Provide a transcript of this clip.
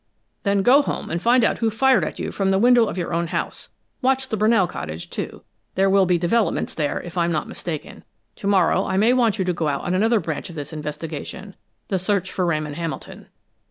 "Then go home and find out who fired at you from the window of your own house. Watch the Brunell cottage, too there will be developments there, if I'm not mistaken. To morrow I may want you to go out on another branch of this investigation the search for Ramon Hamilton."